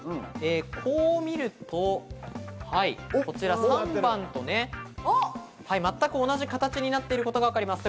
こう見ると、こちら３番と全く同じ形になっていることが分かります。